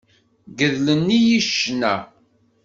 Gedlen-iyi ccna.